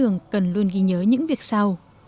nhớ những việc sau